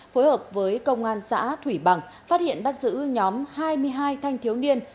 phối hợp với công an xã thủy bằng phát hiện bắt giữ nhóm hai mươi hai thanh thiếu niên